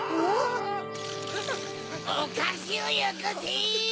・おかしをよこせ！